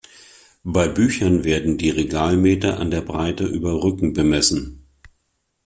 Bei Büchern werden die Regalmeter an der Breite über Rücken bemessen.